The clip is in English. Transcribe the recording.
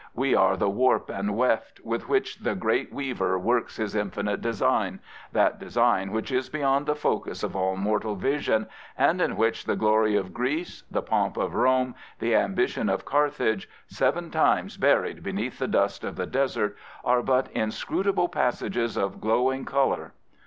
I We are the w^ and wgft with which the great I Weaver works His infinite design — ^that design which f is beyond the focus of all mortal vision, and in which I the glory of Greece, the pomp of Rome, the ambition of Carthage, seven times buried beneath the dust of the desert, are but inscrutable passages of glowing colour.